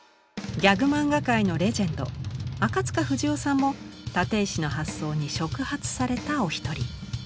ギャグマンガ界のレジェンド赤不二夫さんも立石の発想に触発されたお一人。